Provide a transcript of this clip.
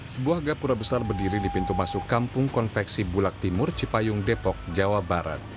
sebuah gapura besar berdiri di pintu masuk kampung konveksi bulak timur cipayung depok jawa barat